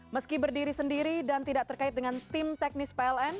meski berdiri sendiri dan tidak terkait dengan tim teknis pln